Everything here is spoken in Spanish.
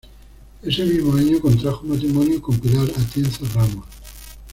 Ese mismo año contrajo matrimonio con Pilar Atienza Ramos.